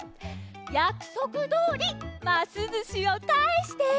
やくそくどおりますずしをかえして！